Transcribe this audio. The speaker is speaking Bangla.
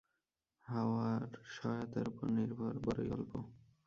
হাওয়ার সহায়তায় উপর নির্ভর বড়ই অল্প।